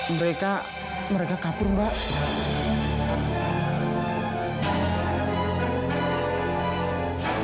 mereka mereka kabur mbak